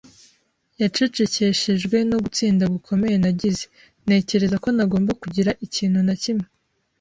yacecekeshejwe no gutsinda gukomeye nagize. Ntekereza ko ntagomba kugira ikintu na kimwe